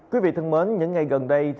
quý vị thân mến những ngày gần đây